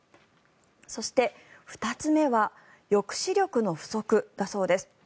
そして、２つ目は抑止力の不足だそうです。